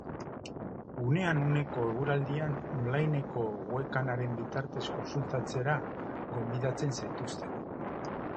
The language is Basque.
Unean-uneko eguraldian on lineko webkamararen bitartez kontsultatzera gonbidatzen zaituztegu.